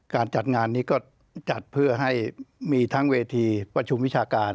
การจัดงานนี้ก็จัดเพื่อให้มีทั้งเวทีประชุมวิชาการ